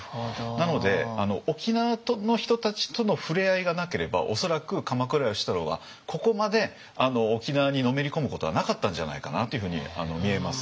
なので沖縄の人たちとのふれあいがなければ恐らく鎌倉芳太郎はここまで沖縄にのめり込むことはなかったんじゃないかなというふうに見えます。